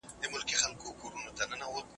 ما پرون د سبا لپاره د هنرونو تمرين وکړ،